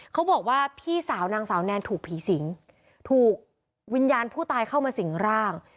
เขาบอกว่าพี่สาวนางสาวแนนถูกผีสิงถูกวิญญาณผู้ตายเข้ามาสิงร่าง